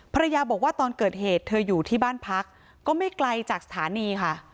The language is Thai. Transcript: ภรรยาบอกว่าตอนเกิดเหตุเธออยู่ที่บ้านพักก็ไม่ไกลจากสถานีค่ะ